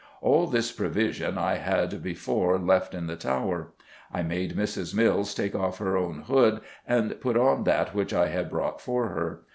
All this provision I had before left in the Tower. I made Mrs. Mills take off her own hood and put on that which I had brought for her.